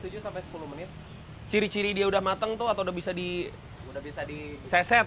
jadi dia udah matang tuh atau udah bisa diseset